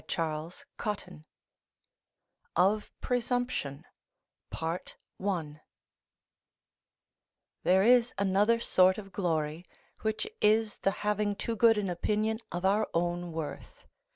CHAPTER XVII OF PRESUMPTION There is another sort of glory, which is the having too good an opinion of our own worth.